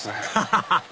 ハハハハ！